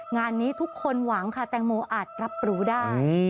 งานนี้ทุกคนหวังค่ะแตงโมอาจรับรู้ได้